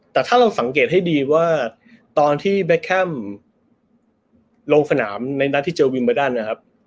แต่ถ้าเราสังเกตให้ดีว่าตอนที่แบร์ค์แค่มลงศนาในรถที่เจอวิงไปด้านนั้น